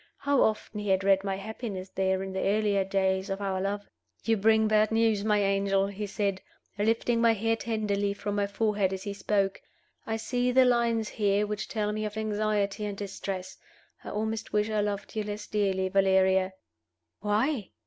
How often he had read my happiness there in the earlier days of our love! "You bring bad news, my angel," he said, lifting my hair tenderly from my forehead as he spoke. "I see the lines here which tell me of anxiety and distress. I almost wish I loved you less dearly, Valeria." "Why?"